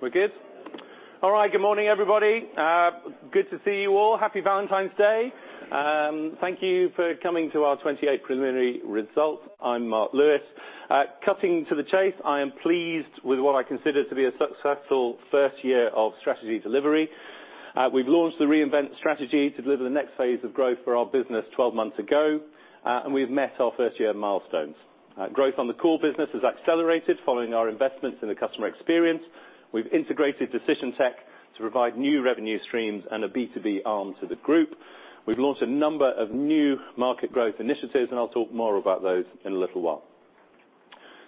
We're good? All right, good morning, everybody. Good to see you all. Happy Valentine's Day. Thank you for coming to our 2028 preliminary results. I'm Mark Lewis. Cutting to the chase, I am pleased with what I consider to be a successful first year of strategy delivery. We've launched the Reinvent strategy to deliver the next phase of growth for our business 12 months ago, and we've met our first-year milestones. Our growth on the core business has accelerated following our investments in the customer experience. We've integrated Decision Tech to provide new revenue streams and a B2B arm to the group. We've launched a number of new market growth initiatives, and I'll talk more about those in a little while.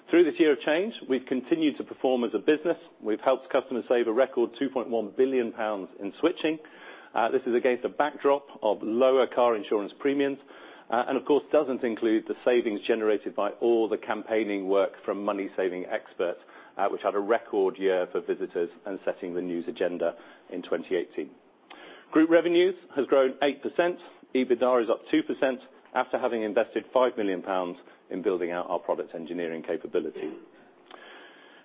Through this year of change, we've continued to perform as a business. We've helped customers save a record GBP 2.1 billion in switching. This is against a backdrop of lower car insurance premiums, of course, doesn't include the savings generated by all the campaigning work from MoneySavingExpert, which had a record year for visitors and setting the news agenda in 2018. Group revenues has grown 8%. EBITDA is up 2% after having invested 5 million pounds in building out our product engineering capability.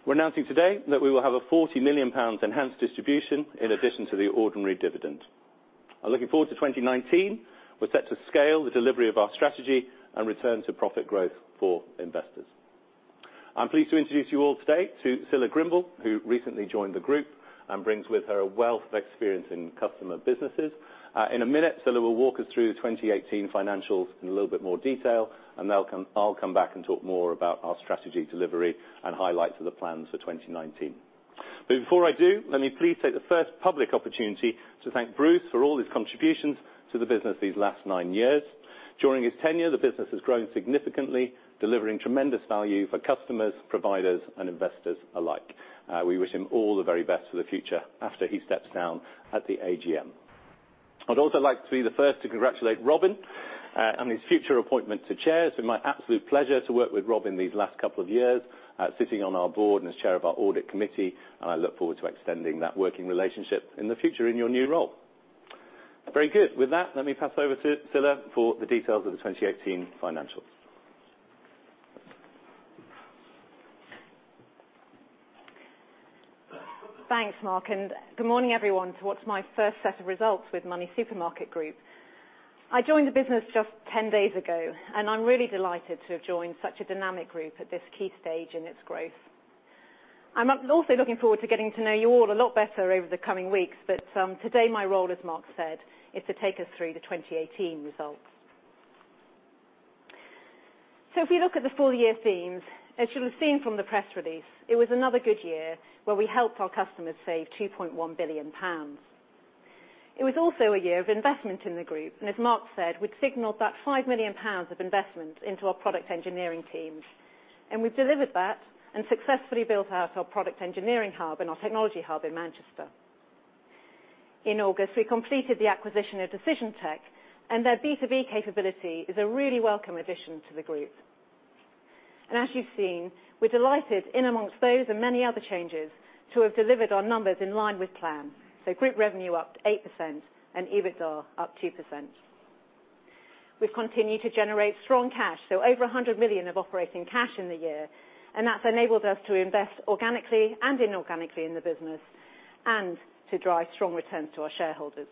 We're announcing today that we will have a 40 million pounds enhanced distribution in addition to the ordinary dividend. I'm looking forward to 2019. We're set to scale the delivery of our strategy and return to profit growth for investors. I'm pleased to introduce you all today to Scilla Grimble, who recently joined the group and brings with her a wealth of experience in customer businesses. In a minute, Scilla will walk us through the 2018 financials in a little bit more detail. I'll come back and talk more about our strategy delivery and highlights of the plans for 2019. Before I do, let me please take the first public opportunity to thank Bruce for all his contributions to the business these last nine years. During his tenure, the business has grown significantly, delivering tremendous value for customers, providers, and investors alike. We wish him all the very best for the future after he steps down at the AGM. I'd also like to be the first to congratulate Robin, on his future appointment to Chair. It's been my absolute pleasure to work with Robin these last couple of years, sitting on our Board and as Chair of our Audit Committee. I look forward to extending that working relationship in the future in your new role. Very good. With that, let me pass over to Scilla for the details of the 2018 financials. Thanks, Mark, and good morning everyone to what's my first set of results with Moneysupermarket Group. I joined the business just 10 days ago, and I'm really delighted to have joined such a dynamic group at this key stage in its growth. I'm also looking forward to getting to know you all a lot better over the coming weeks, but today my role, as Mark said, is to take us through the 2018 results. If we look at the full-year themes, as you'll have seen from the press release, it was another good year where we helped our customers save 2.1 billion pounds. It was also a year of investment in the group, and as Mark said, we'd signaled that 5 million pounds of investment into our product engineering teams. We've delivered that and successfully built out our product engineering hub and our technology hub in Manchester. In August, we completed the acquisition of Decision Tech, and their B2B capability is a really welcome addition to the group. As you've seen, we're delighted in amongst those and many other changes to have delivered our numbers in line with plan. Group revenue up 8% and EBITDA up 2%. We've continued to generate strong cash, so over 100 million of operating cash in the year, and that's enabled us to invest organically and inorganically in the business and to drive strong returns to our shareholders.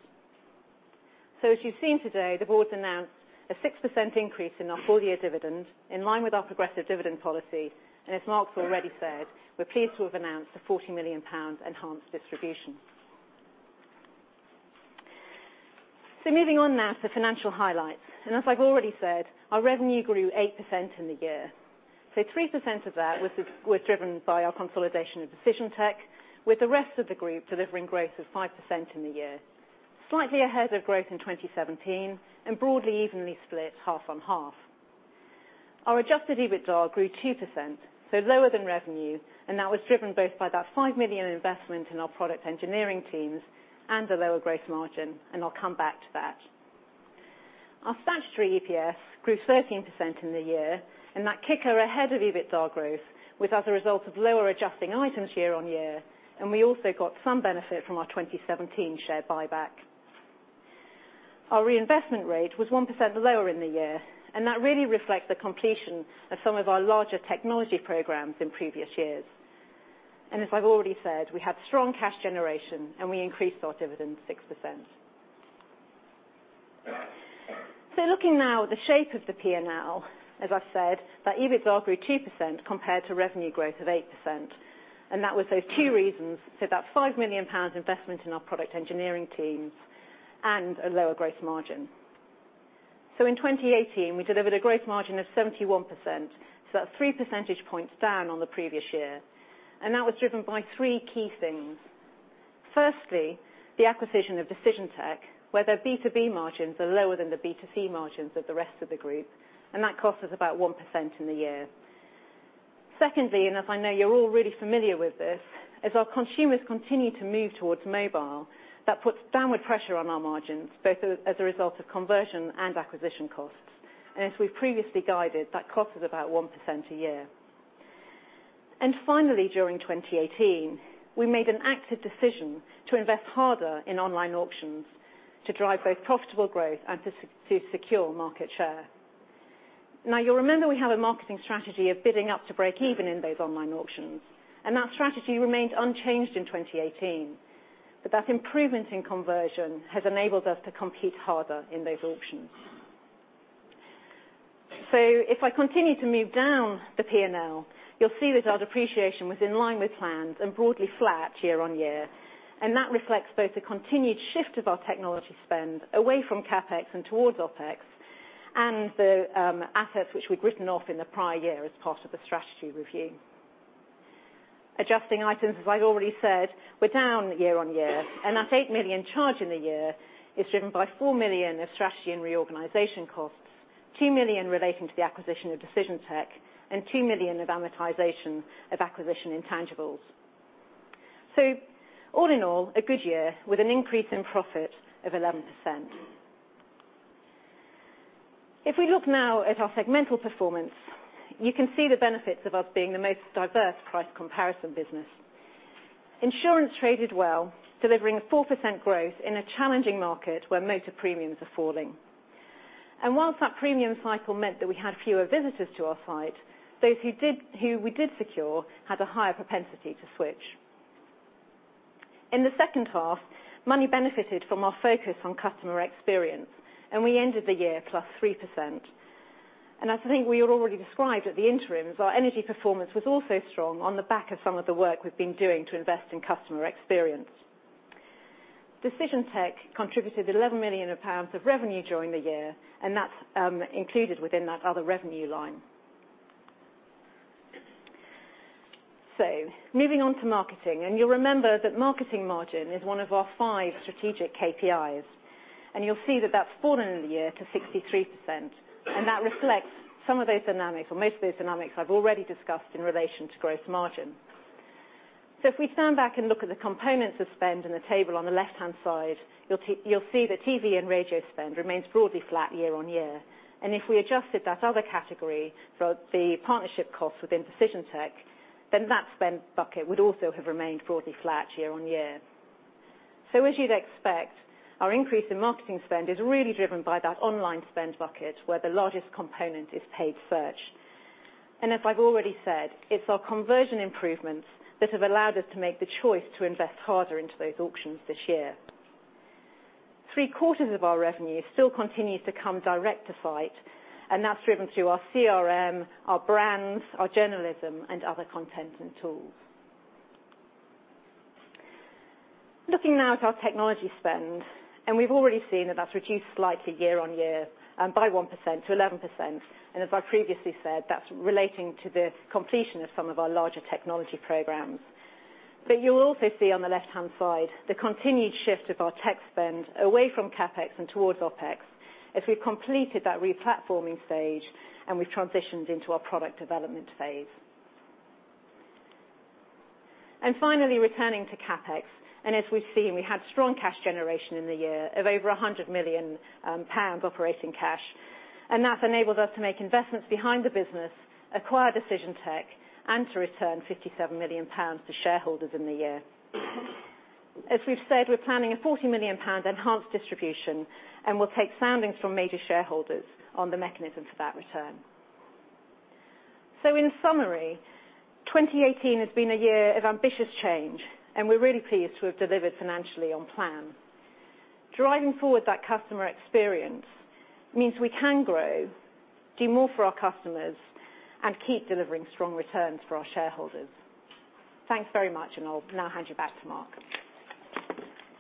As you've seen today, the Board's announced a 6% increase in our full-year dividend, in line with our progressive dividend policy. As Mark's already said, we're pleased to have announced a GBP 40 million enhanced distribution. Moving on now to financial highlights, and as I've already said, our revenue grew 8% in the year. 3% of that was driven by our consolidation of Decision Tech, with the rest of the group delivering growth of 5% in the year. Slightly ahead of growth in 2017 and broadly evenly split half on half. Our Adjusted EBITDA grew 2%, so lower than revenue, and that was driven both by that 5 million investment in our product engineering teams and a lower growth margin. I'll come back to that. Our statutory EPS grew 13% in the year, and that kicker ahead of EBITDA growth was as a result of lower adjusting items year-on-year. We also got some benefit from our 2017 share buyback. Our reinvestment rate was 1% lower in the year, and that really reflects the completion of some of our larger technology programs in previous years. As I've already said, we had strong cash generation, and we increased our dividend 6%. Looking now at the shape of the P&L, as I've said, that EBITDA grew 2% compared to revenue growth of 8%, and that was those two reasons. That 5 million pounds investment in our product engineering teams and a lower growth margin. In 2018, we delivered a growth margin of 71%, so that's three percentage points down on the previous year. That was driven by three key things. Firstly, the acquisition of Decision Tech, where their B2B margins are lower than the B2C margins of the rest of the group, and that cost us about 1% in the year. Secondly, as I know you're all really familiar with this, as our consumers continue to move towards mobile, that puts downward pressure on our margins, both as a result of conversion and acquisition costs. As we've previously guided, that cost us about 1% a year. Finally, during 2018, we made an active decision to invest harder in online auctions to drive both profitable growth and to secure market share. Now, you'll remember we have a marketing strategy of bidding up to break even in those online auctions, and that strategy remains unchanged in 2018. That improvement in conversion has enabled us to compete harder in those auctions. If I continue to move down the P&L, you'll see that our depreciation was in line with plans and broadly flat year on year, and that reflects both the continued shift of our technology spend away from CapEx and towards OpEx and the assets which we'd written off in the prior year as part of the strategy review. Adjusting items, as I've already said, were down year-on-year, and that 8 million charge in the year is driven by 4 million of strategy and reorganization costs, 2 million relating to the acquisition of Decision Tech, and 2 million of amortization of acquisition intangibles. All in all, a good year with an increase in profit of 11%. If we look now at our segmental performance, you can see the benefits of us being the most diverse price comparison business. Insurance traded well, delivering 4% growth in a challenging market where motor premiums are falling. Whilst that premium cycle meant that we had fewer visitors to our site, those who we did secure had a higher propensity to switch. In the second half, Money benefited from our focus on customer experience, and we ended the year +3%. As I think we already described at the interims, our Energy performance was also strong on the back of some of the work we've been doing to invest in customer experience. Decision Tech contributed 11 million pounds of revenue during the year, and that's included within that other revenue line. Moving on to Marketing, you'll remember that Marketing margin is one of our five strategic KPIs. You'll see that that's fallen in the year to 63%, and that reflects some of those dynamics or most of the dynamics I've already discussed in relation to growth margin. If we stand back and look at the components of spend in the table on the left-hand side, you'll see that TV and radio spend remains broadly flat year-on-year. If we adjusted that other category for the partnership costs within Decision Tech, then that spend bucket would also have remained broadly flat year-on-year. As you'd expect, our increase in Marketing spend is really driven by that online spend bucket, where the largest component is paid search. As I've already said, it's our conversion improvements that have allowed us to make the choice to invest harder into those auctions this year. Three quarters of our revenue still continues to come direct to site, that's driven through our CRM, our brands, our journalism, and other content and tools. Looking now at our technology spend, we've already seen that that's reduced slightly year-on-year by 1%-11%. As I previously said, that's relating to the completion of some of our larger technology programs. You will also see on the left-hand side the continued shift of our tech spend away from CapEx and towards OpEx as we've completed that replatforming stage and we've transitioned into our product development phase. Finally, returning to CapEx, as we've seen, we had strong cash generation in the year of over 100 million pounds operating cash. That's enabled us to make investments behind the business, acquire Decision Tech, and to return 57 million pounds to shareholders in the year. As we've said, we're planning a 40 million pounds enhanced distribution, we'll take soundings from major shareholders on the mechanism for that return. In summary, 2018 has been a year of ambitious change, we're really pleased to have delivered financially on plan. Driving forward that customer experience means we can grow, do more for our customers, and keep delivering strong returns for our shareholders. Thanks very much, I'll now hand you back to Mark.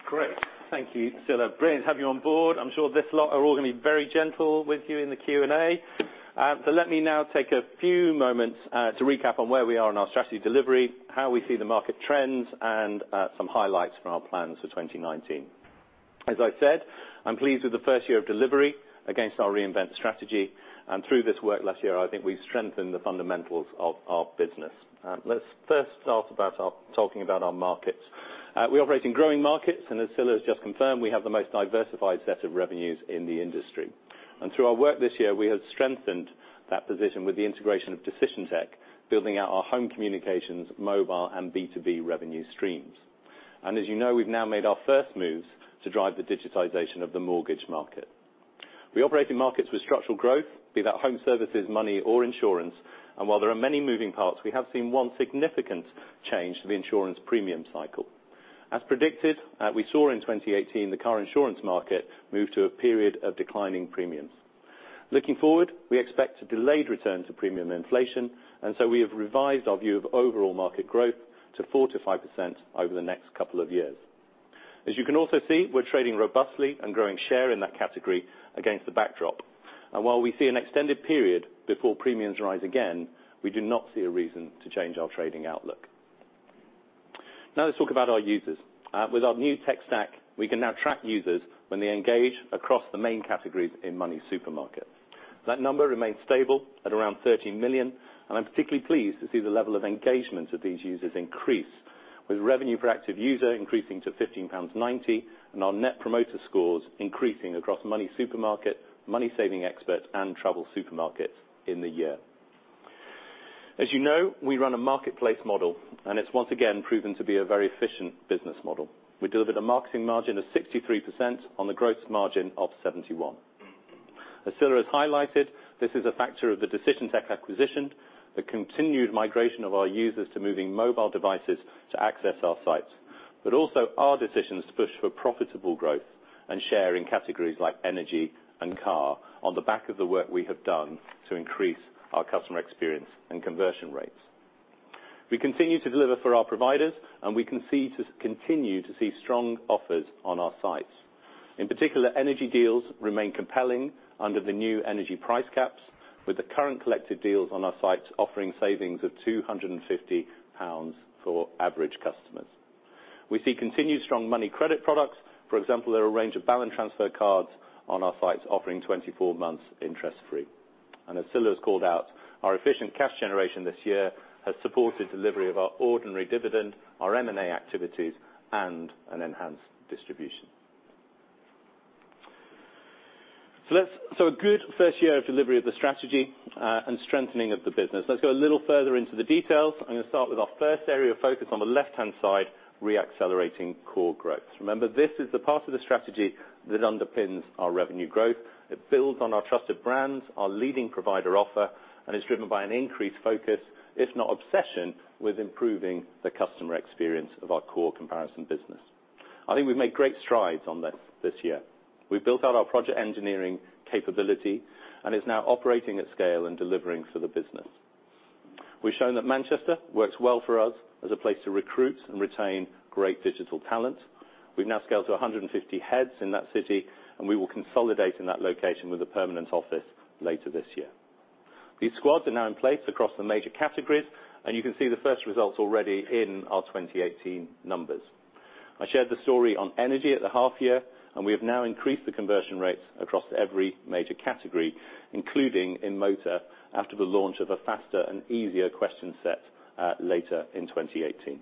Great. Thank you, Scilla. Brilliant to have you on Board. I'm sure this lot are all going to be very gentle with you in the Q&A. Let me now take a few moments to recap on where we are in our strategy delivery, how we see the market trends, and some highlights from our plans for 2019. As I said, I'm pleased with the first year of delivery against our Reinvent strategy. Through this work last year, I think we've strengthened the fundamentals of our business. Let's first start talking about our markets. We operate in growing markets, as Scilla has just confirmed, we have the most diversified set of revenues in the industry. Through our work this year, we have strengthened that position with the integration of Decision Tech, building out our home communications, mobile, and B2B revenue streams. As you know, we've now made our first moves to drive the digitization of the mortgage market. We operate in markets with structural growth, be that Home Services, Money, or Insurance. While there are many moving parts, we have seen one significant change to the Insurance premium cycle. As predicted, we saw in 2018 the Car Insurance market move to a period of declining premiums. Looking forward, we expect a delayed return to premium inflation, we have revised our view of overall market growth to 4%-5% over the next couple of years. As you can also see, we're trading robustly and growing share in that category against the backdrop. While we see an extended period before premiums rise again, we do not see a reason to change our trading outlook. Now let's talk about our users. With our new tech stack, we can now track users when they engage across the main categories in MoneySuperMarket. That number remains stable at around 13 million, and I'm particularly pleased to see the level of engagement of these users increase, with revenue per active user increasing to 15.90 pounds, and our net promoter scores increasing across MoneySuperMarket, MoneySavingExpert, and TravelSupermarket in the year. As you know, we run a marketplace model, and it's once again proven to be a very efficient business model. We delivered a marketing margin of 63% on the gross margin of 71%. As Scilla has highlighted, this is a factor of the Decision Tech acquisition, the continued migration of our users to moving mobile devices to access our sites, but also our decisions to push for profitable growth and share in categories like energy and car on the back of the work we have done to increase our customer experience and conversion rates. We continue to deliver for our providers, and we continue to see strong offers on our sites. In particular, energy deals remain compelling under the new energy price caps with the current collective deals on our sites offering savings of 250 pounds for average customers. We see continued strong money credit products. For example, there are a range of balance transfer cards on our sites offering 24 months interest-free. As Scilla has called out, our efficient cash generation this year has supported delivery of our ordinary dividend, our M&A activities, and an enhanced distribution. A good first year of delivery of the strategy and strengthening of the business. Let's go a little further into the details. I'm going to start with our first area of focus on the left-hand side, re-accelerating core growth. Remember, this is the part of the strategy that underpins our revenue growth. It builds on our trusted brands, our leading provider offer, and is driven by an increased focus, if not obsession, with improving the customer experience of our core comparison business. I think we've made great strides on this this year. We've built out our project engineering capability, and it's now operating at scale and delivering for the business. We've shown that Manchester works well for us as a place to recruit and retain great digital talent. We've now scaled to 150 heads in that city, and we will consolidate in that location with a permanent office later this year. These squads are now in place across the major categories, and you can see the first results already in our 2018 numbers. I shared the story on energy at the half year, and we have now increased the conversion rates across every major category, including in motor after the launch of a faster and easier question set later in 2018.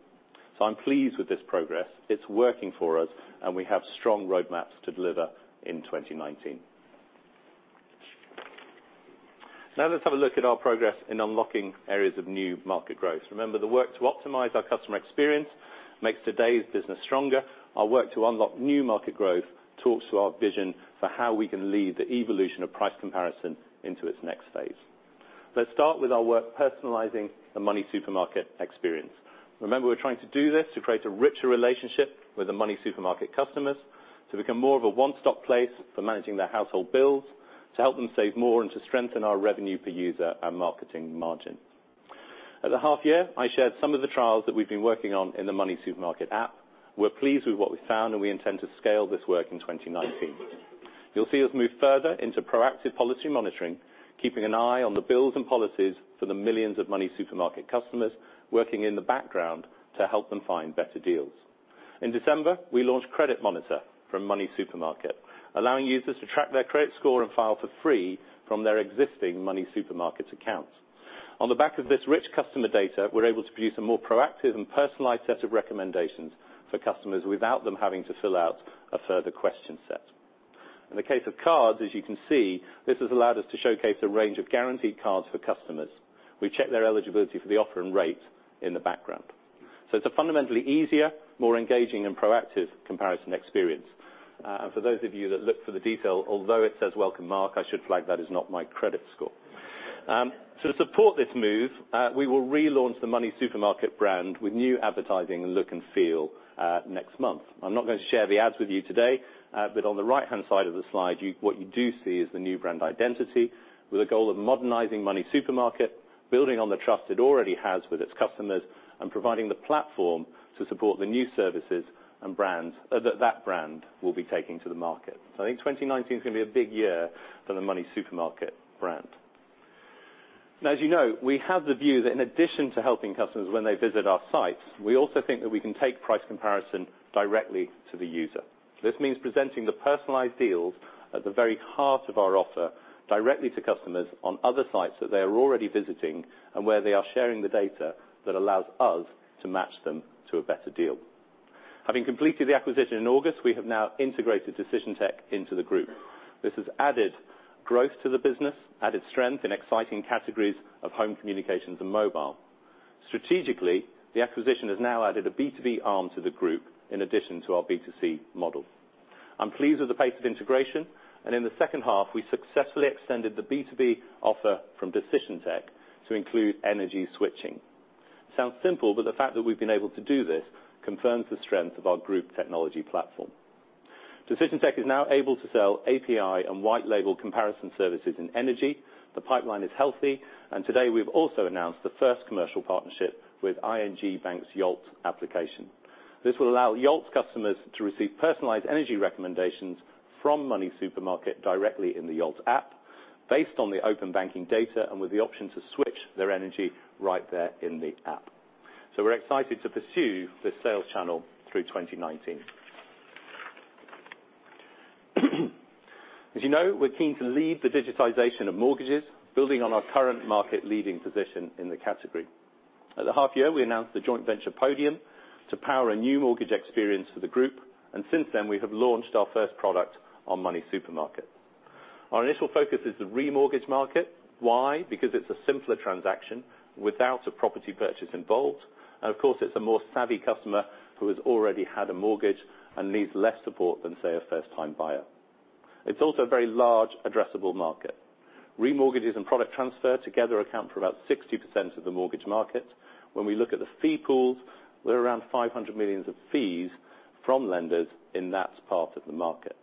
I'm pleased with this progress. It's working for us, and we have strong roadmaps to deliver in 2019. Now let's have a look at our progress in unlocking areas of new market growth. Remember, the work to optimize our customer experience makes today's business stronger. Our work to unlock new market growth talks to our vision for how we can lead the evolution of price comparison into its next phase. Let's start with our work personalizing the MoneySuperMarket experience. Remember, we're trying to do this to create a richer relationship with the MoneySuperMarket customers, to become more of a one-stop place for managing their household bills, to help them save more, and to strengthen our revenue per user and marketing margin. At the half year, I shared some of the trials that we've been working on in the MoneySuperMarket app. We're pleased with what we found, and we intend to scale this work in 2019. You'll see us move further into proactive policy monitoring, keeping an eye on the bills and policies for the millions of MoneySuperMarket customers working in the background to help them find better deals. In December, we launched Credit Monitor from MoneySuperMarket, allowing users to track their credit score and file for free from their existing MoneySuperMarket account. On the back of this rich customer data, we're able to produce a more proactive and personalized set of recommendations for customers without them having to fill out a further question set. In the case of cards, as you can see, this has allowed us to showcase a range of guaranteed cards for customers. We check their eligibility for the offer and rate in the background. It's a fundamentally easier, more engaging, and proactive comparison experience. For those of you that look for the detail, although it says, "Welcome, Mark," I should flag that is not my credit score. To support this move, we will relaunch the MoneySuperMarket brand with new advertising look and feel next month. I'm not going to share the ads with you today, but on the right-hand side of the slide, what you do see is the new brand identity with a goal of modernizing MoneySuperMarket, building on the trust it already has with its customers, and providing the platform to support the new services that brand will be taking to the market. I think 2019 is going to be a big year for the MoneySuperMarket brand. As you know, we have the view that in addition to helping customers when they visit our sites, we also think that we can take price comparison directly to the user. This means presenting the personalized deals at the very heart of our offer directly to customers on other sites that they are already visiting and where they are sharing the data that allows us to match them to a better deal. Having completed the acquisition in August, we have now integrated Decision Tech into the group. This has added growth to the business, added strength in exciting categories of Home Communications and Mobile. Strategically, the acquisition has now added a B2B arm to the group in addition to our B2C model. I'm pleased with the pace of integration, and in the second half, we successfully extended the B2B offer from Decision Tech to include energy switching. Sounds simple, but the fact that we've been able to do this confirms the strength of our group technology platform. Decision Tech is now able to sell API and white label comparison services in energy. The pipeline is healthy, and today we've also announced the first commercial partnership with ING Bank's Yolt application. This will allow Yolt's customers to receive personalized energy recommendations from MoneySuperMarket directly in the Yolt app based on the open banking data and with the option to switch their energy right there in the app. We're excited to pursue this sales channel through 2019. As you know, we're keen to lead the digitization of mortgages, building on our current market leading position in the category. At the half year, we announced the joint venture Podium to power a new mortgage experience for the group, and since then, we have launched our first product on MoneySuperMarket. Our initial focus is the remortgage market. Why? Because it's a simpler transaction without a property purchase involved. Of course, it's a more savvy customer who has already had a mortgage and needs less support than, say, a first-time buyer. It's also a very large addressable market. Remortgages and product transfer together account for about 60% of the mortgage market. When we look at the fee pools, we're around 500 million of fees from lenders in that part of the market.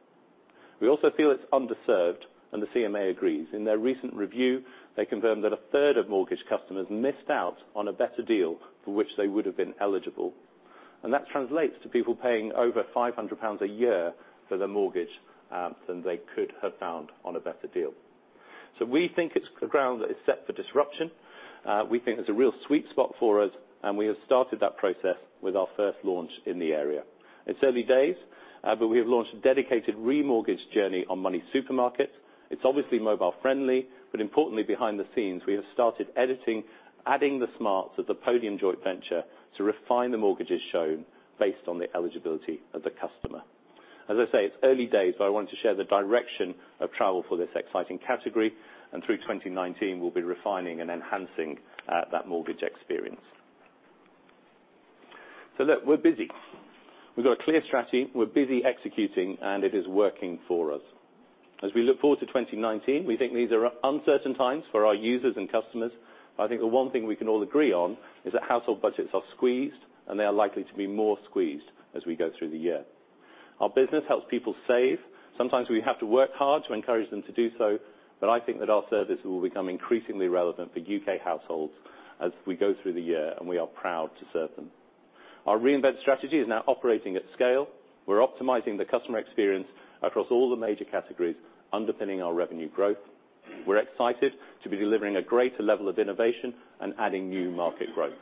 We also feel it's underserved, and the CMA agrees. In their recent review, they confirmed that 1/3 of mortgage customers missed out on a better deal for which they would have been eligible. That translates to people paying over 500 pounds a year for their mortgage, than they could have found on a better deal. We think it's ground that is set for disruption. We think there's a real sweet spot for us, and we have started that process with our first launch in the area. It's early days, but we have launched a dedicated remortgage journey on MoneySuperMarket. It's obviously mobile-friendly, but importantly, behind the scenes, we have started editing, adding the smarts of the Podium joint venture to refine the mortgages shown based on the eligibility of the customer. As I say, it's early days, but I wanted to share the direction of travel for this exciting category. Through 2019, we'll be refining and enhancing that mortgage experience. Look, we're busy. We've got a clear strategy, we're busy executing, it is working for us. As we look forward to 2019, we think these are uncertain times for our users and customers. I think the one thing we can all agree on is that household budgets are squeezed, they are likely to be more squeezed as we go through the year. Our business helps people save. Sometimes we have to work hard to encourage them to do so, I think that our service will become increasingly relevant for U.K. households as we go through the year, we are proud to serve them. Our Reinvent strategy is now operating at scale. We're optimizing the customer experience across all the major categories underpinning our revenue growth. We're excited to be delivering a greater level of innovation, adding new market growth.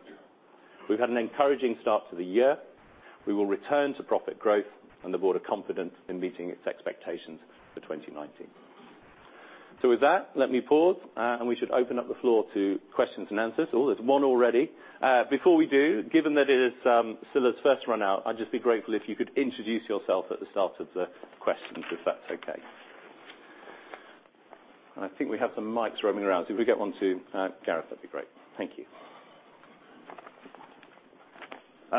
We've had an encouraging start to the year. We will return to profit growth, the Board are confident in meeting its expectations for 2019. With that, let me pause, we should open up the floor to questions and answers. Oh, there's one already. Before we do, given that it is Scilla's first run out, I'd just be grateful if you could introduce yourself at the start of the questions, if that's okay. I think we have some mics roaming around. If we get one to Gareth, that'd be great. Thank you.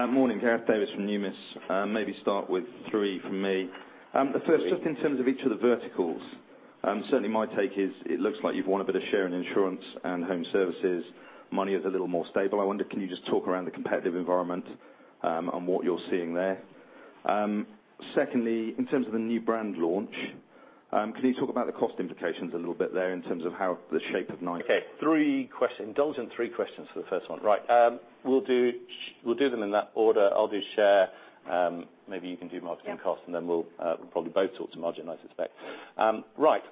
Morning. Gareth Davies from Numis. Maybe start with three from me. The first, just in terms of each of the verticals. Certainly, my take is it looks like you've won a bit of share in Insurance and Home Services. Money is a little more stable. I wonder, can you just talk around the competitive environment, and what you're seeing there? Secondly, in terms of the new brand launch, can you talk about the cost implications a little bit there in terms of the shape of nine? Okay. Indulge in three questions for the first one. Right. We'll do them in that order. I'll do share. Yeah. And cost, and then we will probably both talk to margin, I suspect. Right.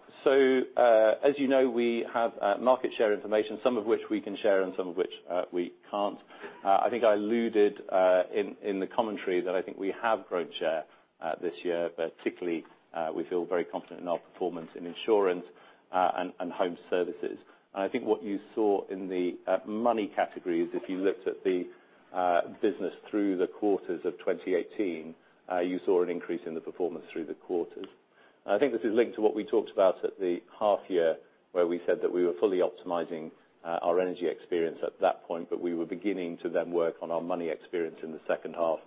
As you know, we have market share information, some of which we can share and some of which we can't. I think I alluded in the commentary that I think we have grown share this year, particularly, we feel very confident in our performance in Insurance and Home Services. I think what you saw in the Money categories, if you looked at the business through the quarters of 2018, you saw an increase in the performance through the quarters. I think this is linked to what we talked about at the half year where we said that we were fully optimizing our energy experience at that point, but we were beginning to then work on our money experience in the second half,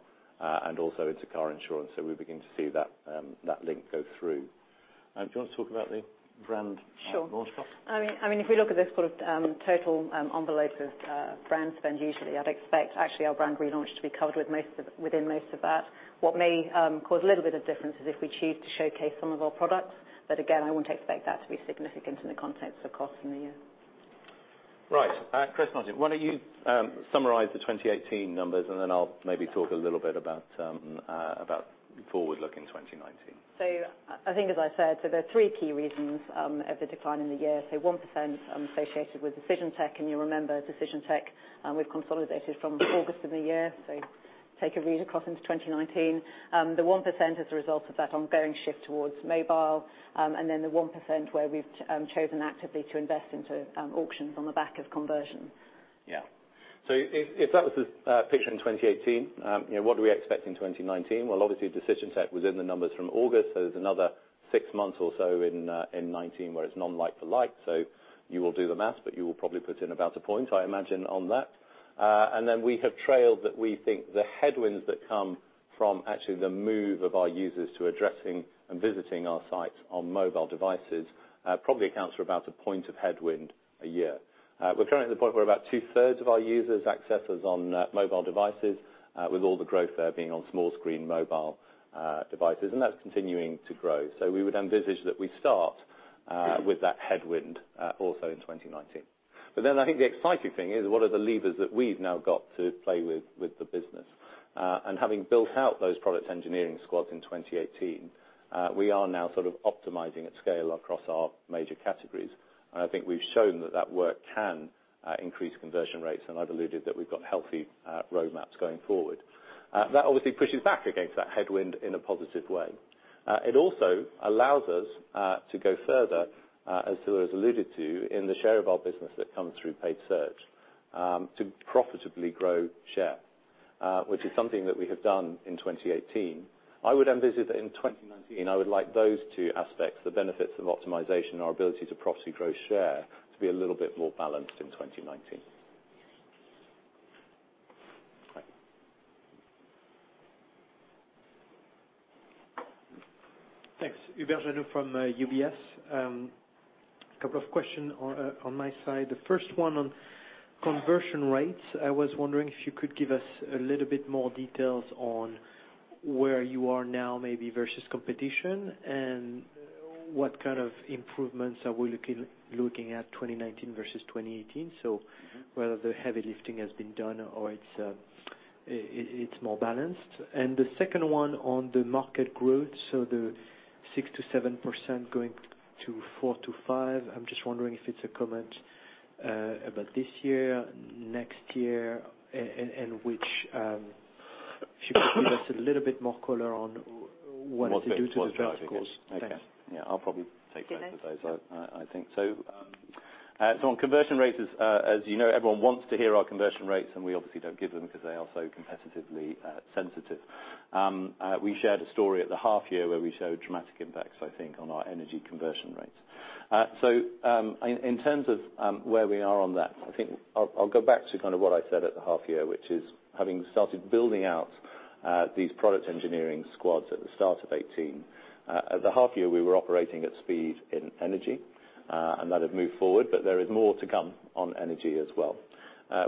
and also into car insurance, so we begin to see that link go through. Do you want to talk about the brand- Sure. launch cost? If we look at this total envelope of brand spend, usually, I'd expect actually our brand relaunch to be covered within most of that. What may cause a little bit of difference is if we choose to showcase some of our products, but again, I wouldn't expect that to be significant in the context of costs in the year. Right. Scilla margin. Why don't you summarize the 2018 numbers, then I'll maybe talk a little bit about forward looking 2019. I think as I said, there are three key reasons of the decline in the year. 1% associated with Decision Tech, and you'll remember Decision Tech, we've consolidated from August of the year, so take a read across into 2019. The 1% as a result of that ongoing shift towards mobile, the 1% where we've chosen actively to invest into auctions on the back of conversion. If that was the picture in 2018, what do we expect in 2019? Obviously, Decision Tech was in the numbers from August, there's another six months or so in 2019 where it's non like for like. You will do the math, but you will probably put in about a point, I imagine, on that. We have trailed that we think the headwinds that come from actually the move of our users to addressing and visiting our sites on mobile devices probably accounts for about a point of headwind a year. We're currently at the point where about 2/3 of our users access us on mobile devices, with all the growth there being on small screen mobile devices, that's continuing to grow. We would envisage that we start with that headwind also in 2019. I think the exciting thing is what are the levers that we've now got to play with the business. Having built out those product engineering squads in 2018, we are now sort of optimizing at scale across our major categories. I think we've shown that that work can increase conversion rates, and I've alluded that we've got healthy roadmaps going forward. That obviously pushes back against that headwind in a positive way. It also allows us to go further, as Scilla has alluded to, in the share of our business that comes through paid search, to profitably grow share, which is something that we have done in 2018. I would envisage that in 2019, I would like those two aspects, the benefits of optimization and our ability to profitably grow share, to be a little bit more balanced in 2019. Right. Thanks. Hubert Jeaneau from UBS. Couple of questions on my side. The first one on conversion rates. I was wondering if you could give us a little bit more details on where you are now maybe versus competition, and what kind of improvements are we looking at 2019 versus 2018. Whether the heavy lifting has been done or it is more balanced. The second one on the market growth, the 6%-7% going to 4%-5%. I am just wondering if it is a comment about this year, next year, and if you could give us a little bit more color on what to do to the price, of course. Thanks. I will probably take both of those, I think. On conversion rates, as you know, everyone wants to hear our conversion rates, and we obviously do not give them because they are so competitively sensitive. We shared a story at the half year where we showed dramatic impacts, I think, on our energy conversion rates. In terms of where we are on that, I think I will go back to kind of what I said at the half year, which is having started building out these product engineering squads at the start of 2018. At the half year, we were operating at speed in energy, and that had moved forward, but there is more to come on energy as well.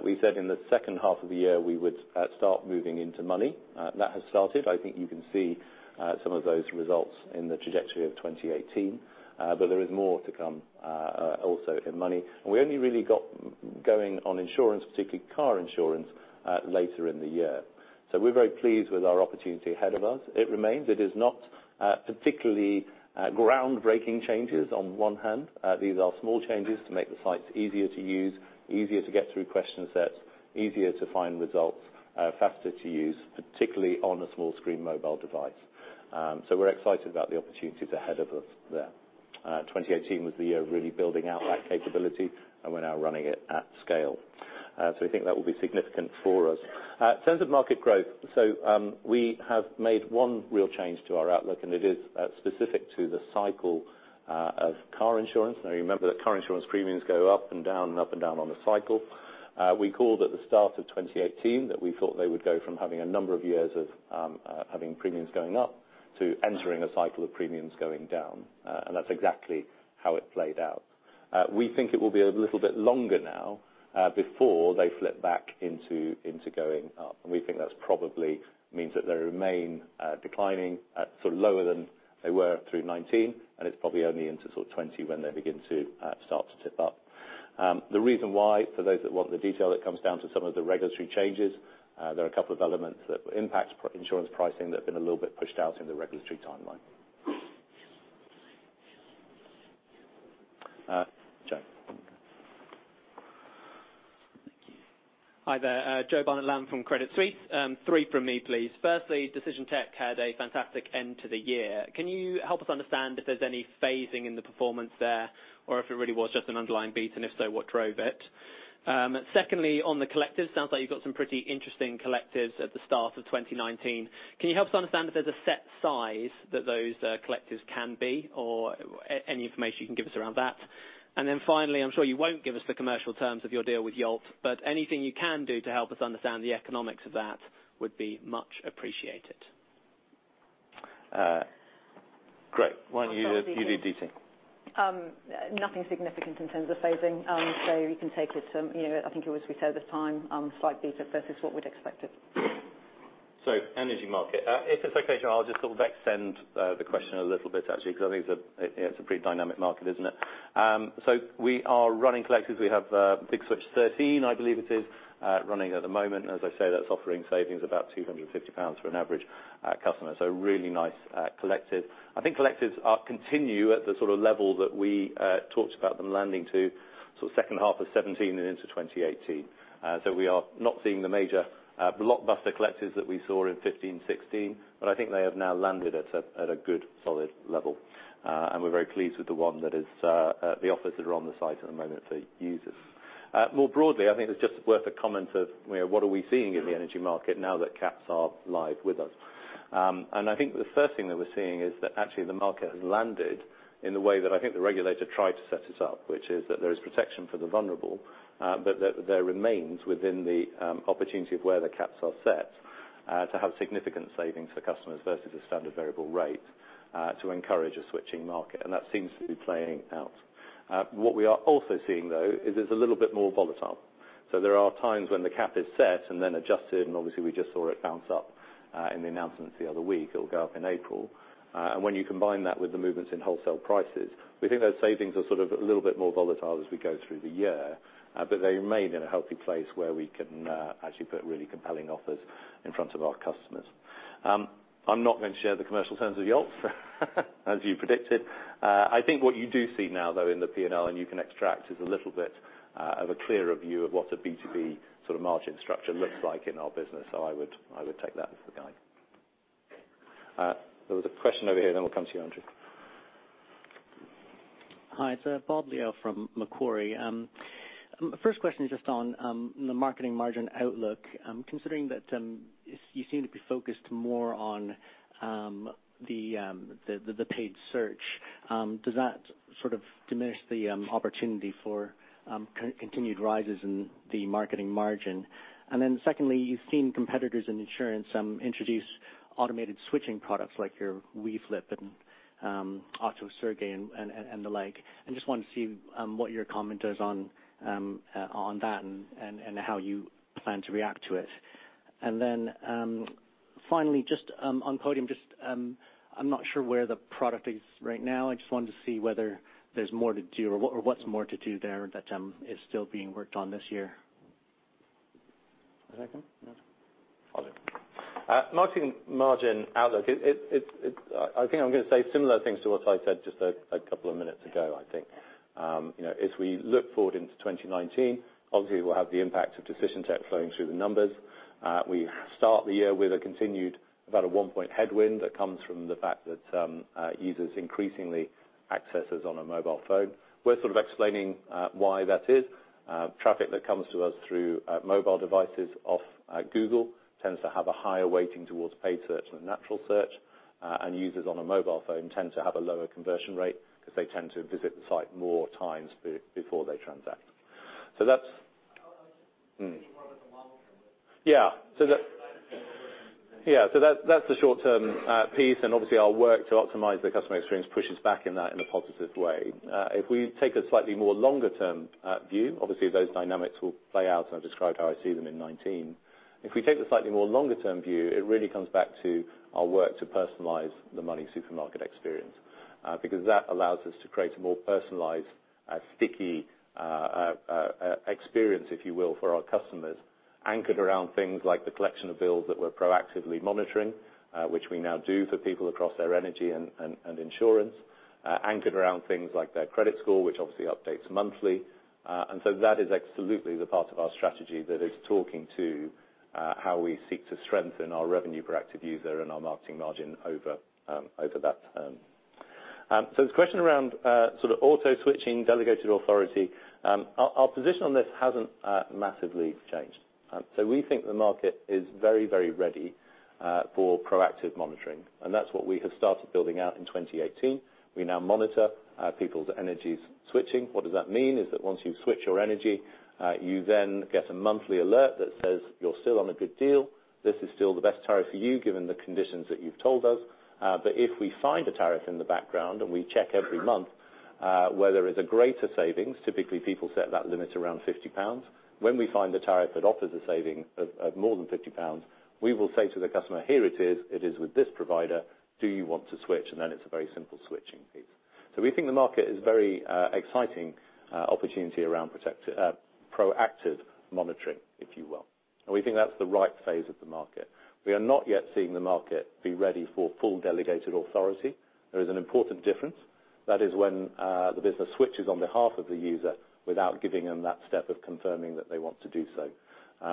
We said in the second half of the year, we would start moving into Money. That has started. I think you can see some of those results in the trajectory of 2018. There is more to come, also in Money. We only really got going on Insurance, particularly Car Insurance, later in the year. We are very pleased with our opportunity ahead of us. It remains it is not particularly groundbreaking changes on one hand. These are small changes to make the sites easier to use, easier to get through question sets, easier to find results, faster to use, particularly on a small screen mobile device. We are excited about the opportunities ahead of us there. 2018 was the year of really building out that capability, and we are now running it at scale. We think that will be significant for us. In terms of market growth, we have made one real change to our outlook, and it is specific to the cycle of Car Insurance. You remember that Car Insurance premiums go up and down and up and down on a cycle. We called at the start of 2018 that we thought they would go from having a number of years of having premiums going up to entering a cycle of premiums going down. That is exactly how it played out. We think it will be a little bit longer now, before they flip back into going up. We think that probably means that they remain declining at sort of lower than they were through 2019, and it is probably only into sort of 2020 when they begin to start to tip up. The reason why, for those that want the detail, it comes down to some of the regulatory changes. There are a couple of elements that impact Insurance pricing that have been a little bit pushed out in the regulatory timeline. Joe. Thank you. Hi there, Joe Barnet-Lamb from Credit Suisse. Three from me, please. Firstly, Decision Tech had a fantastic end to the year. Can you help us understand if there's any phasing in the performance there or if it really was just an underlying beat? If so, what drove it? Secondly, on the collective, sounds like you've got some pretty interesting collectives at the start of 2019. Can you help us understand if there's a set size that those collectives can be or any information you can give us around that? Finally, I'm sure you won't give us the commercial terms of your deal with Yolt, but anything you can do to help us understand the economics of that would be much appreciated. Great. Why don't you do DT? Nothing significant in terms of phasing. You can take it from, I think it was we said at the time, slight beat up versus what we'd expected. Energy market. If it's okay, Joe, I'll just sort of extend the question a little bit actually, because I think it's a pretty dynamic market, isn't it? We are running collectives. We have Big Switch 13, I believe it is, running at the moment. As I say, that's offering savings about 250 pounds for an average customer. Really nice collective. I think collectives continue at the sort of level that we talked about them landing to sort of second half of 2017 and into 2018. We are not seeing the major blockbuster collectives that we saw in 2015, 2016, but I think they have now landed at a good, solid level. We're very pleased with the ones that are on the site at the moment for users. More broadly, I think it's just worth a comment of what are we seeing in the energy market now that caps are live with us. I think the first thing that we're seeing is that actually the market has landed in the way that I think the regulator tried to set it up. Which is that there is protection for the vulnerable, but there remains within the opportunity of where the caps are set, to have significant savings for customers versus a standard variable rate, to encourage a switching market. That seems to be playing out. What we are also seeing, though, is it's a little bit more volatile. There are times when the cap is set and then adjusted, and obviously we just saw it bounce up, in the announcements the other week. It'll go up in April. When you combine that with the movements in wholesale prices, we think those savings are sort of a little bit more volatile as we go through the year. They remain in a healthy place where we can actually put really compelling offers in front of our customers. I'm not going to share the commercial terms of Yolt as you predicted. I think what you do see now, though, in the P&L and you can extract is a little bit of a clearer view of what the B2B sort of margin structure looks like in our business. I would take that as the guide. There was a question over here, then we'll come to you, Andrew. Hi, it's Bob Liao from Macquarie. First question is just on the marketing margin outlook. Considering that you seem to be focused more on the paid search, does that sort of diminish the opportunity for continued rises in the marketing margin? Secondly, you've seen competitors in insurance introduce automated switching products like your weflip and AutoSwitch, Switchd and the like. I just want to see what your comment is on that and how you plan to react to it. Finally, just on Podium, I'm not sure where the product is right now. I just wanted to see whether there's more to do or what's more to do there that is still being worked on this year. Marketing margin outlook. I'm going to say similar things to what I said just a couple of minutes ago. As we look forward into 2019, obviously we'll have the impact of Decision Tech flowing through the numbers. We start the year with a continued about a one point headwind that comes from the fact that users increasingly access us on a mobile phone. We're sort of explaining why that is. Traffic that comes to us through mobile devices off Google tends to have a higher weighting towards paid search than natural search, and users on a mobile phone tend to have a lower conversion rate because they tend to visit the site more times before they transact. [inaudible] Yeah. That's the short-term piece, and obviously our work to optimize the customer experience pushes back in that in a positive way. If we take a slightly more longer-term view, obviously those dynamics will play out, and I've described how I see them in 2019. If we take the slightly more longer-term view, it really comes back to our work to personalize the MoneySuperMarket experience, because that allows us to create a more personalized, sticky experience, if you will, for our customers, anchored around things like the collection of bills that we're proactively monitoring, which we now do for people across their Energy and Insurance, anchored around things like their credit score, which obviously updates monthly. That is absolutely the part of our strategy that is talking to how we seek to strengthen our revenue per active user and our marketing margin over that term. The question around auto switching delegated authority. Our position on this hasn't massively changed. We think the market is very ready for proactive monitoring, and that's what we have started building out in 2018. We now monitor people's energy switching. What does that mean is that once you switch your energy, you then get a monthly alert that says you're still on a good deal. This is still the best tariff for you given the conditions that you've told us. But if we find a tariff in the background and we check every month where there is a greater savings, typically people set that limit around 50 pounds. When we find the tariff that offers a saving of more than 50 pounds, we will say to the customer, "Here it is. It is with this provider. Do you want to switch?" Then it's a very simple switching piece. We think the market is very exciting opportunity around proactive monitoring, if you will. We think that's the right phase of the market. We are not yet seeing the market be ready for full delegated authority. There is an important difference. That is when the business switches on behalf of the user without giving them that step of confirming that they want to do so.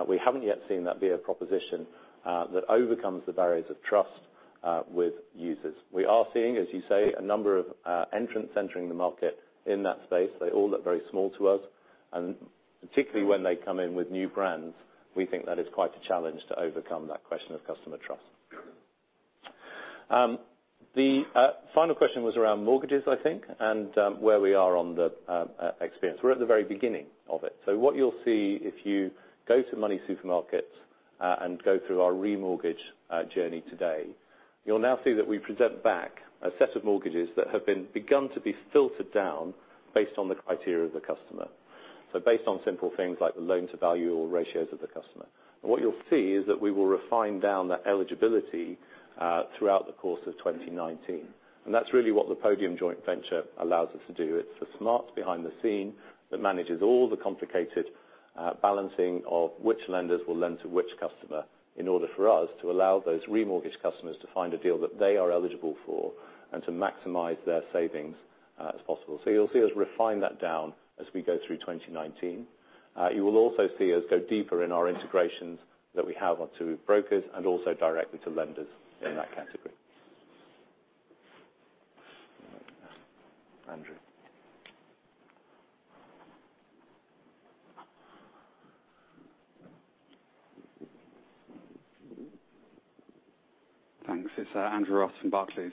We haven't yet seen that be a proposition that overcomes the barriers of trust with users. We are seeing, as you say, a number of entrants entering the market in that space. They all look very small to us. Particularly when they come in with new brands, we think that is quite a challenge to overcome that question of customer trust. The final question was around mortgages, I think, and where we are on the experience. We're at the very beginning of it. What you'll see if you go to MoneySuperMarket and go through our remortgage journey today, you'll now see that we present back a set of mortgages that have begun to be filtered down based on the criteria of the customer. Based on simple things like the loan to value or ratios of the customer. What you'll see is that we will refine down that eligibility throughout the course of 2019. That's really what the Podium joint venture allows us to do. It's the smarts behind the scene that manages all the complicated balancing of which lenders will lend to which customer in order for us to allow those remortgage customers to find a deal that they are eligible for and to maximize their savings as possible. You'll see us refine that down as we go through 2019. You will also see us go deeper in our integrations that we have onto brokers and also directly to lenders in that category. Andrew. Thanks. It's Andrew Ross from Barclays.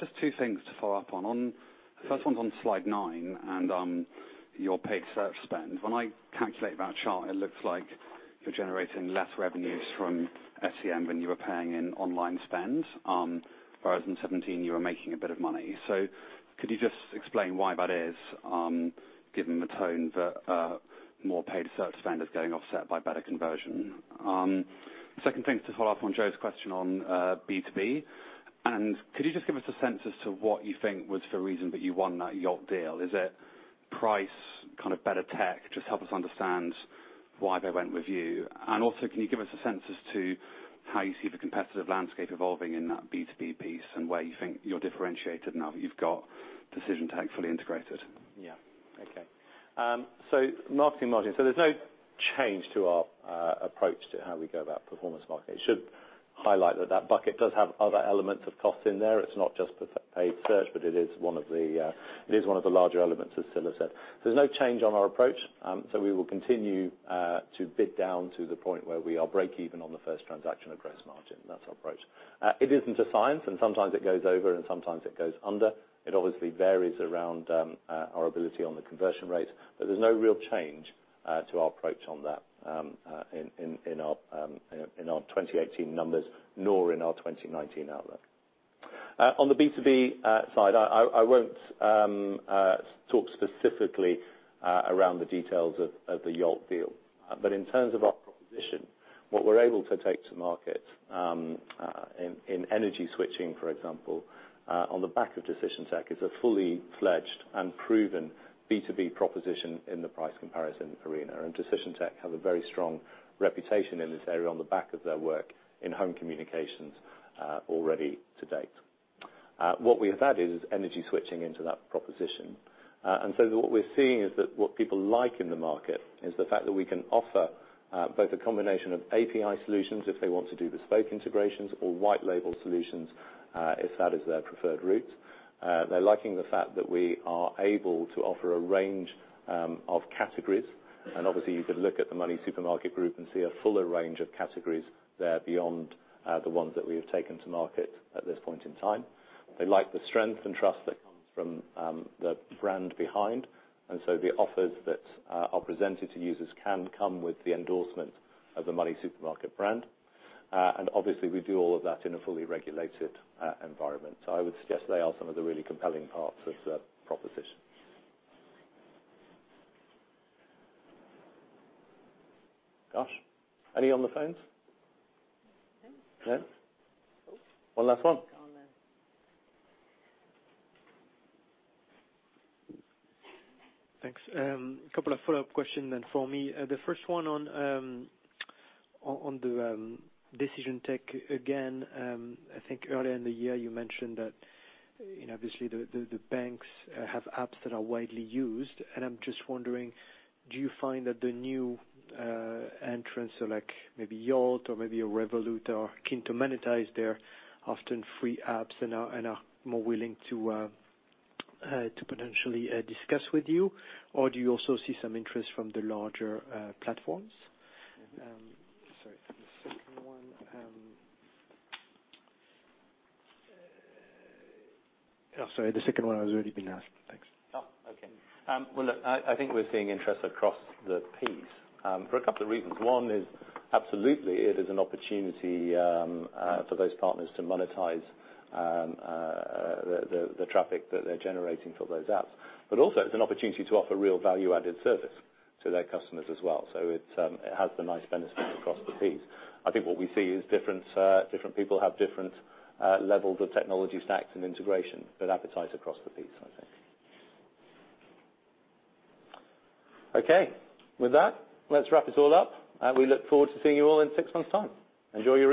Just two things to follow up on. First one's on slide nine and your paid search spend. When I calculate that chart, it looks like you're generating less revenues from SEM than you were paying in online spend, whereas in 2017, you were making a bit of money. Could you just explain why that is given the tone that more paid search spend is getting offset by better conversion? Second thing is to follow up on Joe's question on B2B. Could you just give us a sense as to what you think was the reason that you won that Yolt deal? Is it price, kind of better tech? Just help us understand why they went with you. Also, can you give us a sense as to how you see the competitive landscape evolving in that B2B piece and where you think you're differentiated now that you've got Decision Tech fully integrated? Yeah. Okay. Marketing margin. There's no change to our approach to how we go about performance marketing. Should highlight that that bucket does have other elements of cost in there. It's not just paid search, but it is one of the larger elements, as Scilla has said. There's no change on our approach, we will continue to bid down to the point where we are break even on the first transaction of gross margin. That's our approach. It isn't a science, and sometimes it goes over and sometimes it goes under. It obviously varies around our ability on the conversion rate, but there's no real change to our approach on that in our 2018 numbers, nor in our 2019 outlook. On the B2B side, I won't talk specifically around the details of the Yolt deal. In terms of our proposition, what we're able to take to market in Energy Switching, for example, on the back of Decision Tech, is a fully fledged and proven B2B proposition in the price comparison arena. Decision Tech has a very strong reputation in this area on the back of their work in home communications already to date. What we have added is Energy Switching into that proposition. What we're seeing is that what people like in the market is the fact that we can offer both a combination of API solutions if they want to do bespoke integrations or white label solutions, if that is their preferred route. They're liking the fact that we are able to offer a range of categories. Obviously you could look at the MoneySuperMarket Group and see a fuller range of categories there beyond the ones that we have taken to market at this point in time. They like the strength and trust that comes from the brand behind, the offers that are presented to users can come with the endorsement of the MoneySuperMarket brand. Obviously we do all of that in a fully regulated environment. I would suggest they are some of the really compelling parts of the proposition. Gosh. Any on the phones? No. No? One last one. Go on then. Thanks. A couple of follow-up questions then for me. The first one on Decision Tech again. I think earlier in the year you mentioned that obviously the banks have apps that are widely used. I'm just wondering, do you find that the new entrants are like maybe Yolt or maybe a Revolut are keen to monetize their often free apps and are more willing to potentially discuss with you? Do you also see some interest from the larger platforms? Sorry, the second one. Oh, sorry, the second one has already been asked. Thanks. Oh, okay. Well, look, I think we're seeing interest across the piece for a couple of reasons. One is absolutely it is an opportunity for those partners to monetize the traffic that they're generating for those apps. Also it's an opportunity to offer real value-added service to their customers as well. It has the nice benefit across the piece. I think what we see is different people have different levels of technology stacks and integration, but appetite across the piece, I think. Okay. With that, let's wrap it all up. We look forward to seeing you all in six months' time. Enjoy your evening